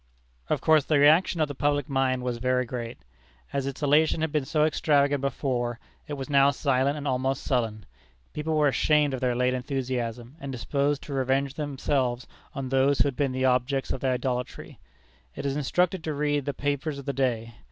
Of course the reaction of the public mind was very great. As its elation had been so extravagant before, it was now silent and almost sullen. People were ashamed of their late enthusiasm, and disposed to revenge themselves on those who had been the objects of their idolatry. It is instructive to read the papers of the day.